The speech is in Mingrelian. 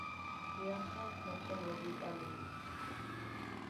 იახა, მუთუნ ვეგიპალუდ.